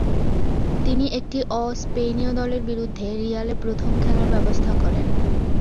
তিনি একটি অ-স্পেনীয় দলের বিরুদ্ধে রিয়ালের প্রথম খেলার ব্যবস্থা করেন করেন।